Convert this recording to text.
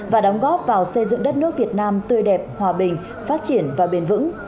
và đóng góp vào xây dựng đất nước việt nam tươi đẹp hòa bình phát triển và bền vững